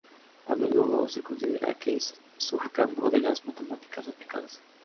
A menudo se considera que es un subcampo de las matemáticas aplicadas.